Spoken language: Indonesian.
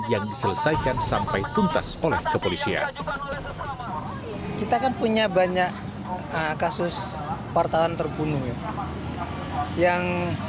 yang diselesaikan sampai tuntas oleh kepolisian